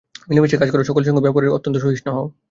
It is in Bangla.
মিলেমিশে কাজ কর, সকলের সঙ্গে ব্যবহারে অত্যন্ত সহিষ্ণু হও।